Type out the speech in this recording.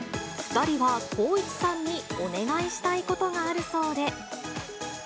２人は光一さんにお願いしたいことがあるそうで。